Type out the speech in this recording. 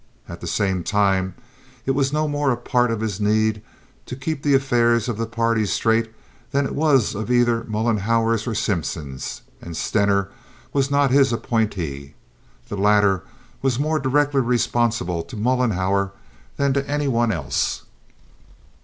At the same time it was no more a part of his need to keep the affairs of the party straight than it was of either Mollenhauer's or Simpson's, and Stener was not his appointee. The latter was more directly responsible to Mollenhauer than to any one else.